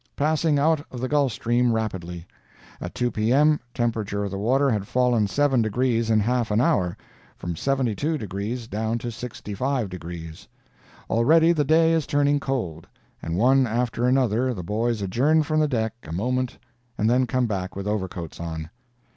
"Passing out of the Gulf Stream rapidly. At 2 P.M., temperature of the water had fallen seven degrees in half an hour—from 72 degrees down to 65 degrees. Already the day is turning cold, and one after another the boys adjourn from the deck a moment and then come back with overcoats on.